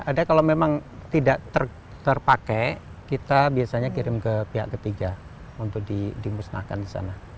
ada kalau memang tidak terpakai kita biasanya kirim ke pihak ketiga untuk dimusnahkan di sana